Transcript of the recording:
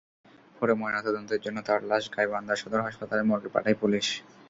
পরে ময়নাতদন্তের জন্য তাঁর লাশ গাইবান্ধা সদর হাসপাতাল মর্গে পাঠায় পুলিশ।